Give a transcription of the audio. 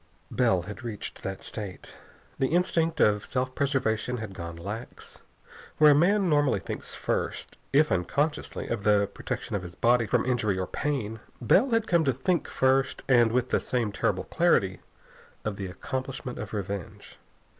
Bell had reached that state. The instinct of self preservation had gone lax. Where a man normally thinks first, if unconsciously, of the protection of his body from injury or pain, Bell had come to think first, and with the same terrible clarity, of the accomplishment of revenge.